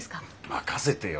任せてよ